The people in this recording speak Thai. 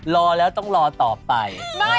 รอแล้วต้องรอต่อไป